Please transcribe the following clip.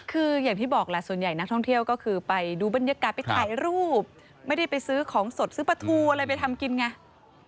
คืออย่างที่บอกแหละส่วนใหญ่นักท่องเที่ยวก็คือไปดูบรรยากาศไปถ่ายรูปไม่ได้ไปซื้อของสดซื้อปลาทูอะไรไปทำกินไง